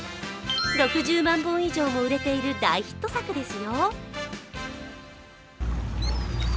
６０万本以上も売れている大ヒット作ですよ。